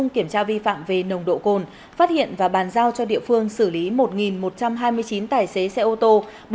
kiểm tra vi phạm về nồng độ cồn phát hiện và bàn giao cho địa phương xử lý một một trăm hai mươi chín tài xế xe ô tô